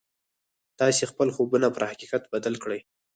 تاسې خپل خوبونه پر حقيقت بدل کړئ.